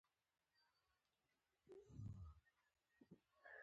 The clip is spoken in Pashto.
د سیاسي موقف د محاسبې بیلانس د مرګونو پر ګراف باندې پورته ځي.